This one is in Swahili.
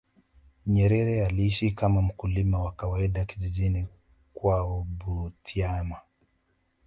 nyerere aliishi kama mkulima wa kawaida kijijini kwao butiama